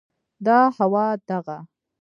دا هوا، دغه